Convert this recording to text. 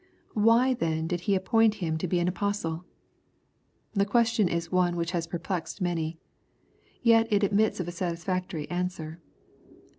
Why then did He appoint him to be an apostle ? The question is one which has perplexed many. Yet it admits of a satisfactory answer.